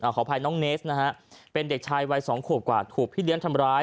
ขออภัยน้องเนสนะฮะเป็นเด็กชายวัย๒ขวบกว่าถูกพี่เลี้ยงทำร้าย